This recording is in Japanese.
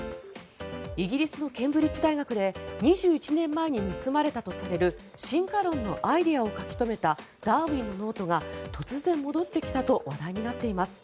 イギリスのケンブリッジ大学で２１年前に盗まれたとされる進化論のアイデアを書き留めたダーウィンのノートが突然戻ってきたと話題になっています。